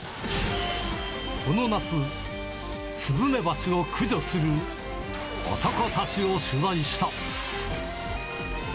この夏、スズメバチを駆除する男たちを取材した。